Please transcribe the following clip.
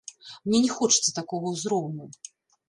Мне не хочацца такога ўзроўню.